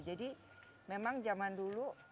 jadi memang zaman dulu